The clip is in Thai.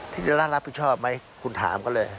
ธิราชรับผิดชอบไหมคุณถามก็เลย